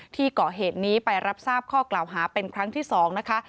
เกาะเหตุนี้ไปรับทราบข้อกล่าวหาเป็นครั้งที่๒นะคะ